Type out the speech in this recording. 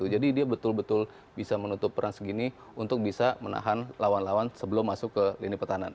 jadi dia betul betul bisa menutup peran segini untuk bisa menahan lawan lawan sebelum masuk ke lini petanan